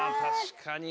確かに。